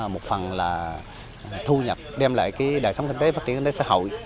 một phần là thu nhập đem lại đại sống kinh tế phát triển đến xã hội